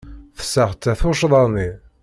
Tesseɣta tuccḍa-nni.